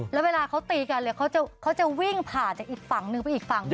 แล้วเวลาเขาตีกันเขาจะวิ่งผ่านจากอีกฝั่งนึงไปอีกฝั่งหนึ่ง